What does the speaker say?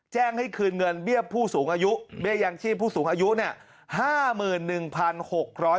ให้คืนเงินเบี้ยผู้สูงอายุเบี้ยยังชีพผู้สูงอายุเนี่ย